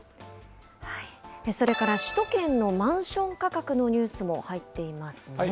それから首都圏のマンション価格のニュースも入っていますね。